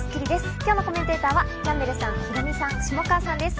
今日のコメンテーターの皆さんです。